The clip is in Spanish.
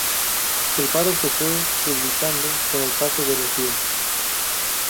El paro se fue debilitando con el paso de los días.